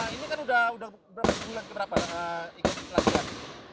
ini kan udah berapa bulan keberapa ikut latihan